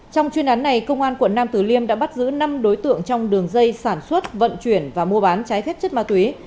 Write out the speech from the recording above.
trong chuyên án này công an quận nam tử liêm đã bắt giữ năm đối tượng trong đường dây sản xuất vận chuyển và mua bán trái phép chất ma túy